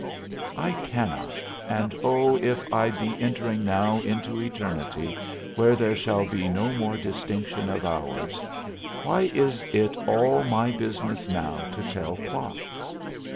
I cannot, and oh, if I be entering now into eternity, where there shall be no more distinction of hours, why is it all my business now to tell clocks?